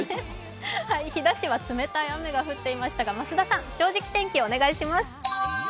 飛騨市は冷たい雨が降っていましたが、増田さん、「正直天気」をお願いします。